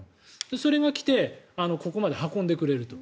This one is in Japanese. それが来てここまで運んでくれると。